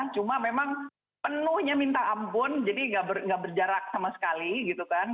cuma memang penuhnya minta ampun jadi nggak berjarak sama sekali gitu kan